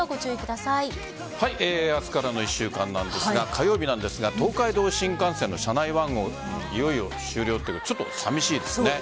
明日からの１週間なんですが火曜日なんですが東海道新幹線の車内ワゴンいよいよ終了ということで寂しいですね。